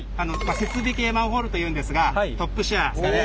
設備系マンホールというんですがトップシェアですかね。